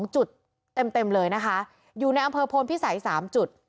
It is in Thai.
๒จุดเต็มเลยนะคะอยู่ในอำเภอโพนพิสัย๓จุด